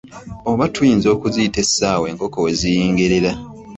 Oba tuyinza okuziyita essaawa enkoko we ziyingirira.